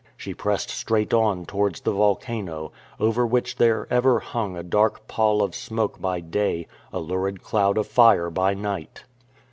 She pressed straight on towards the volcano, over which there ever hung a dark pall of smoke by day, a lurid cloud of fire by night.